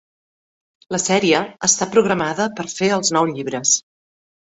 La sèrie està programada per fer els nou llibres.